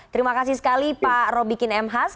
terima kasih sekali pak robikin m has